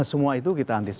maka semua itu kita antisipasi